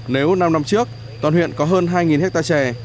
nếu năm năm trước toàn huyện có hơn hai hectare chè